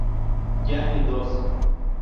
Ya en "¡Dos!